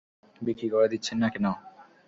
বিক্রি করে দিচ্ছেন না কেন?